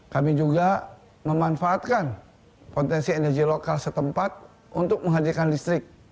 kami juga memanfaatkan potensi energi lokal setempat untuk menghadirkan listrik